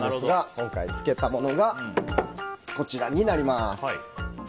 今回、漬けたものがこちらになります。